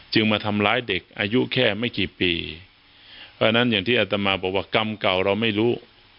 มาทำร้ายเด็กอายุแค่ไม่กี่ปีเพราะฉะนั้นอย่างที่อัตมาบอกว่ากรรมเก่าเราไม่รู้